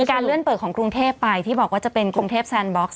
การเลื่อนเปิดของกรุงเทพไปที่บอกว่าจะเป็นกรุงเทพแซนบล็อกซ